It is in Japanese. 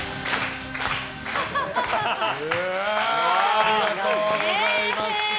ありがとうございます。